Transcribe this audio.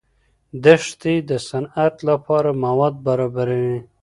دښتې د صنعت لپاره مواد برابروي.